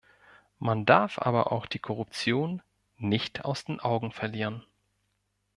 Man darf aber auch die Korruption nicht aus den Augen verlieren.